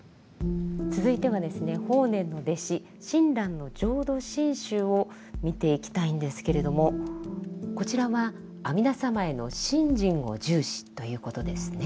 続いてはですね法然の弟子親鸞の浄土真宗を見ていきたいんですけれどもこちらは阿弥陀様への「信心」を重視ということですね。